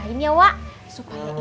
ini siapa tadi